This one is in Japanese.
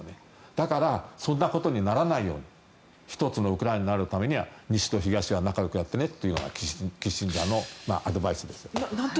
だからそんなことにならないように１つのウクライナになるためには西と東は仲よくやってねというのがキッシンジャーのアドバイスですよ。